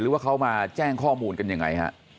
หรือว่าเขามาแจ้งข้อมูลกันยังไงฮะ